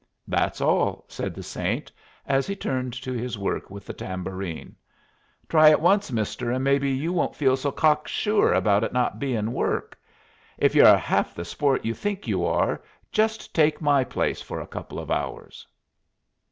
"That's all," said the Saint, as he turned to his work with the tambourine. "Try it once, mister, and maybe you won't feel so cock sure about its not bein' work. If you're half the sport you think you are just take my place for a couple of hours."